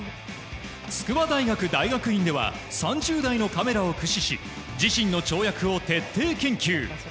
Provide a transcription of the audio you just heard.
筑波大学大学院では３０台のカメラを駆使し自身の跳躍を徹底研究。